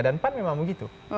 dan pan memang begitu